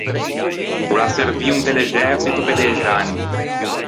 O l’à servio inte l’exerçito pe dex’anni.